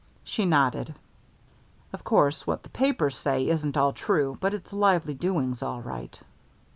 She nodded. "Of course, what the papers say isn't all true, but it's lively doings all right."